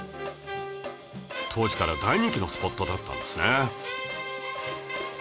当時から大人気のスポットだったんですね